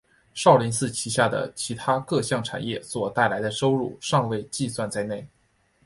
少林寺旗下的其它各项产业所带来的收入尚未计算在内。